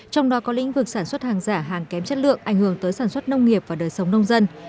trong đó có lĩnh vực sản xuất hàng giả hàng kém chất lượng ảnh hưởng tới sản xuất nông nghiệp và đời sống nông dân